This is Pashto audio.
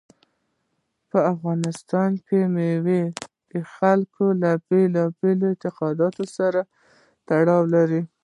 په افغانستان کې مېوې د خلکو له بېلابېلو اعتقاداتو سره تړاو لري.